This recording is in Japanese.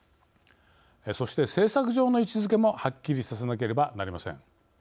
そして、政策上の位置づけもはっきりさせなければなりません。